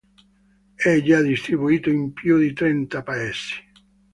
È già distribuito in più di trenta paesi.